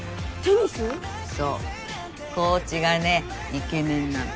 そうコーチがねイケメンなの。